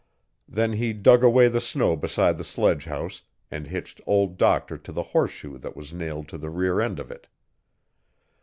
Then he dug away the snow beside the sledgehouse, and hitched Old Doctor to the horseshoe that was nailed to the rear end of it.